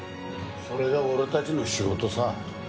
それが俺たちの仕事さ。